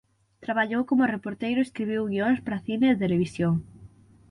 Traballou como reporteiro e escribiu guións para cine e televisión.